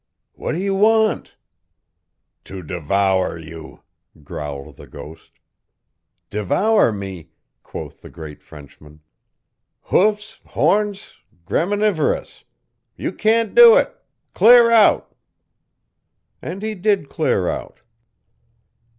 "What do you want?" "To devour you!" growled the ghost. "Devour me?" quoth the great Frenchman "Hoofs, horns, graminivorous! You can't do it clear out!" And he did clear out.